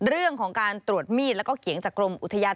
เรื่องของการตรวจมีดแล้วก็เขียงจากกรมอุทยาน